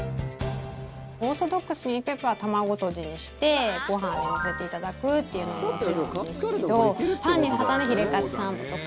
オーソドックスにいけば卵とじにしてご飯に乗せていただくというのももちろんですけどパンに挟んでヒレかつサンドとか